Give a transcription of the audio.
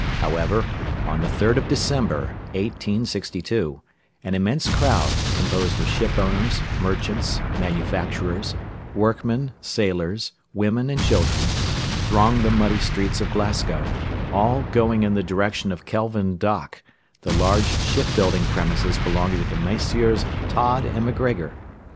However, on the 3rd of December, 1862, an immense crowd, composed of shipowners, merchants, manufacturers, workmen, sailors, women, and children, thronged the muddy streets of Glasgow, all going in the direction of Kelvin Dock, the large shipbuilding premises belonging to Messrs. Tod & MacGregor.